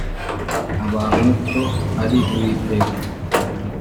abantu ko ari Uwiteka